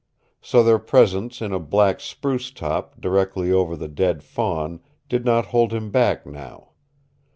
So their presence in a black spruce top directly over the dead fawn did not hold him back now.